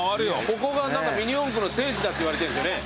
ここがミニ四駆の聖地だっていわれてるんですよね。